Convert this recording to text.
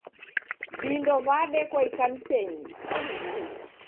Vindo vadekwa ikanisenyi